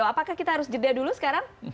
apakah kita harus jeda dulu sekarang